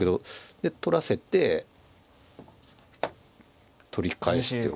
で取らせて取り返しておく。